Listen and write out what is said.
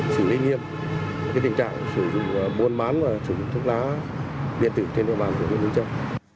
xử lý nghiệp tình trạng sử dụng buôn bán và sử dụng thuốc lá điện tử trên địa bàn của nguyễn đức trâm